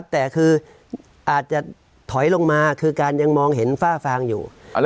แต่คืออาจจะถอยลงมาคือการยังมองเห็นฝ้าฟางอยู่